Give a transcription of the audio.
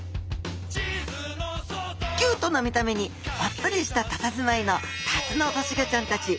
キュートな見た目におっとりしたたたずまいのタツノオトシゴちゃんたち。